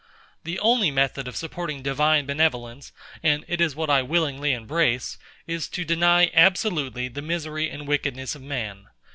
The only method of supporting Divine benevolence, and it is what I willingly embrace, is to deny absolutely the misery and wickedness of man.